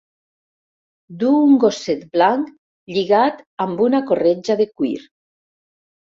Du un gosset blanc lligat amb una corretja de cuir.